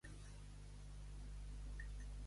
Sant Privat, col i nap. El Mallol, nap i col.